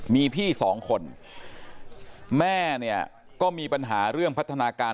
มีพี่สองคนแม่เนี่ยก็มีปัญหาเรื่องพัฒนาการ